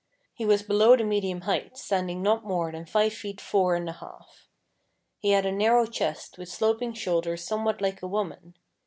He was below the medium height, standing not more than five feet four and a half. He had a narrow chest, with sloping shoulders some what like a woman.